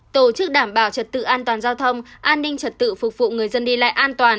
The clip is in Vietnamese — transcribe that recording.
tổ chức đảm bảo trật tự an toàn giao thông an ninh trật tự phục vụ người dân đi lại an toàn